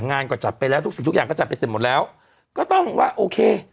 งานก็จับไปแล้วทุกขณะก็จับไปเสร็จหมดแล้วก็ต้องว่าโอเค